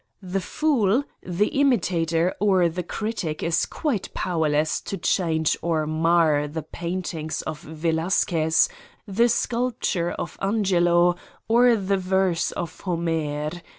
the fool, the imitator or the critic is quite powerless to change or mar the paintings of Velasquez, the sculpture of Angelo or the verse of Homer.